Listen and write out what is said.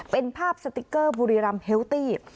เป็นภาพสติ๊กเกอร์บุรีรำเฮลตี้